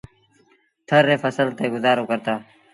ٿر ري ڦسل تي گزآرو ڪرتآ۔